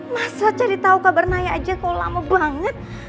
masa cari tau kabar naya aja kok lama banget